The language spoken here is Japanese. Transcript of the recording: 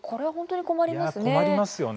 いや困りますよね。